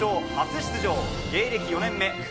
決勝初出場、芸歴４年目。